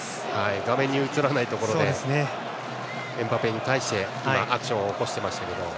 画面に映らないところでエムバペに対してアクションを起こしていましたけど。